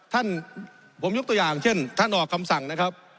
ท่านผมยกตัวอย่างเช่นท่านออกคำสั่งนะครับ